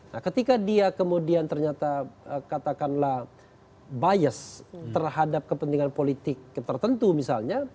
nah ketika dia kemudian ternyata katakanlah bias terhadap kepentingan politik tertentu misalnya